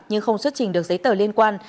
nhưng không xuất trình được giấy tờ liên quan